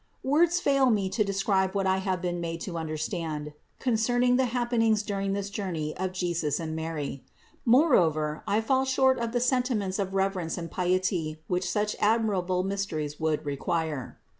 625. Words fail me to describe what I have been made to understand concerning the happenings during this journey of Jesus and Mary; moreover, I fall short of the sentiments of reverence and piety which such admir able mysteries would require.